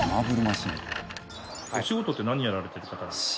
お仕事って何やられてる方なんですか？